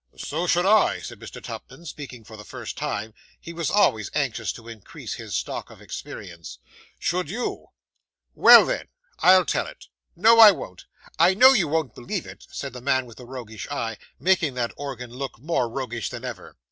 'So should I,' said Mr. Tupman, speaking for the first time. He was always anxious to increase his stock of experience. 'Should you? Well then, I'll tell it. No, I won't. I know you won't believe it,' said the man with the roguish eye, making that organ look more roguish than ever.